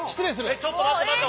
えっちょっと待って待って！